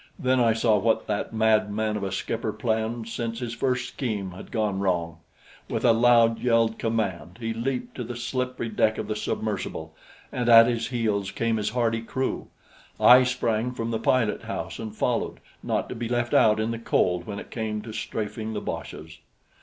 Then I saw what that madman of a skipper planned since his first scheme had gone wrong. With a loud yelled command, he leaped to the slippery deck of the submersible, and at his heels came his hardy crew. I sprang from the pilot house and followed, not to be left out in the cold when it came to strafing the boches.